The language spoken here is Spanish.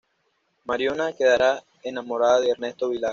Mariona quedará enamorada de Ernesto Villar.